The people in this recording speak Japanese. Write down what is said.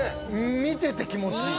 見てて気持ちいい。